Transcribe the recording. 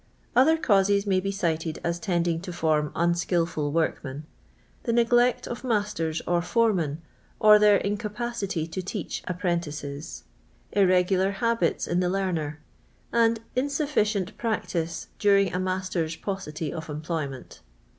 Other causes may be cited as tending to form unskilful workmen : the neglect of masters or fore men, or their incapacity to teach apprentices ; irre gular habits in the learner ; and insufficient prac tice during a master s poucity of employment.